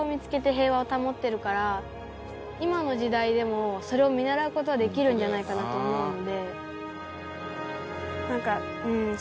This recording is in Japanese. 今の時代でもそれを見習う事はできるんじゃないかなと思うので。